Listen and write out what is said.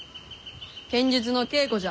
剣術の稽古じゃ。